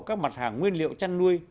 các mặt hàng nguyên liệu chăn nuôi